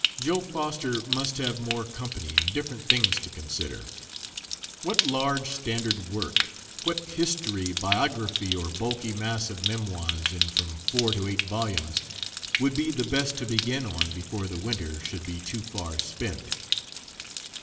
Joe Foster must have more company and different things to consider. What large standard work what history, biography, or bulky mass of memoirs in from four to eight volumes would be the best to begin on before the winter should be too far spent?